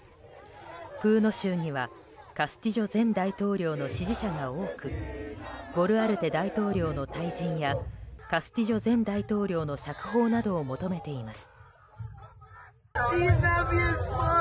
プーノ州にはカスティジョ前大統領の支持者が多くボルアルテ大統領の退陣やカスティジョ前大統領の釈放などを求めています。